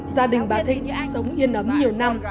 gia đình bà thịnh sống yên ấm nhiều năm